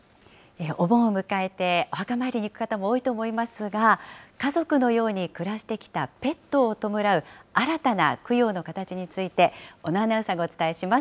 お盆を迎えてお墓参りに行く方も多いと思いますが、家族のように暮らしてきたペットを弔う新たな供養の形について、小野アナウンサーがお伝えします。